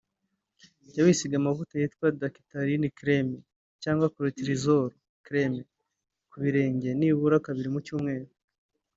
Jya wisiga amavuta yitwa “daktarin crème” cyangwa “clotrimazol crème” ku birenge nibura kabiri mu cyumweru